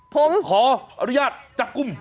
ผมขออนุญาตจากกุม